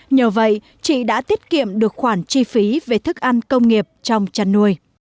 nhờ vậy chị đã tiết kiệm được khoản chi phí về thức ăn công nghiệp trong chăn nuôi